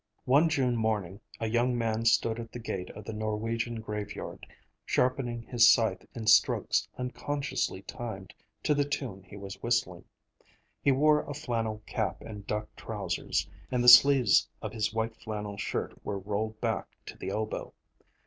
One June morning a young man stood at the gate of the Norwegian graveyard, sharpening his scythe in strokes unconsciously timed to the tune he was whistling. He wore a flannel cap and duck trousers, and the sleeves of his white flannel shirt were rolled back to the elbow.